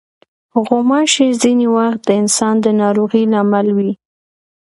غوماشې ځینې وخت د انسان د ناروغۍ لامل وي.